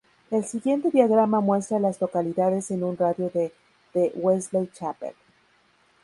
El siguiente diagrama muestra a las localidades en un radio de de Wesley Chapel.